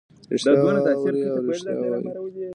ریښتیا واوري او ریښتیا ووایي.